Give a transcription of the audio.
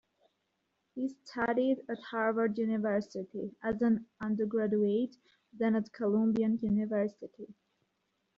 He studied at Harvard University as an undergraduate, then at Columbia University.